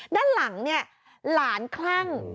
ด้านหลังเนี่ยหลานคลั่ง